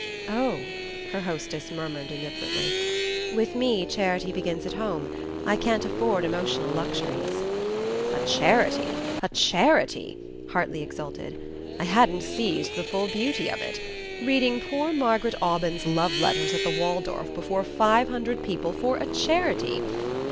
"Oh," her hostess murmured, indifferently, "with me charity begins at home. I can't afford emotional luxuries." "A charity? A charity?" Hartly exulted. "I hadn't seized the full beauty of it. Reading poor Margaret Aubyn's love letters at the Waldorf before five hundred people for a charity!